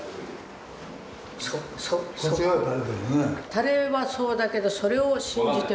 垂れはそうだけどそれを信じては。